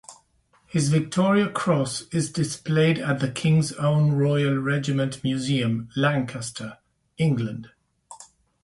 His Victoria Cross is displayed at the King's Own Royal Regiment Museum, Lancaster, England.